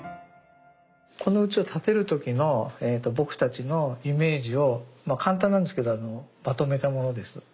このうちを建てる時の僕たちのイメージを簡単なんですけどまとめたものです。